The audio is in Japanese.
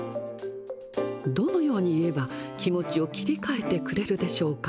どのように言えば気持ちを切り替えてくれるでしょうか。